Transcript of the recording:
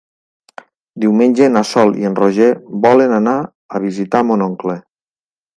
Diumenge na Sol i en Roger volen anar a visitar mon oncle.